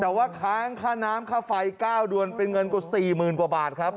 แต่ว่าค้างค่าน้ำค่าไฟ๙เดือนเป็นเงินกว่า๔๐๐๐กว่าบาทครับ